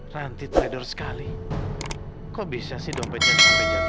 ranti terlalu terlalu terlalu terlalu terlalu terlalu terlalu